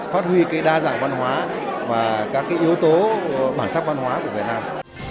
phát huy cái đa dạng văn hóa và các cái yếu tố bản sắc văn hóa của việt nam